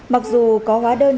mặc dù có hóa đơn